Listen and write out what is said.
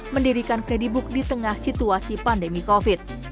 mendirikan kredibook di tengah situasi pandemi covid